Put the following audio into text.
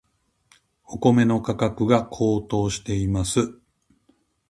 お米の価格が高騰しています。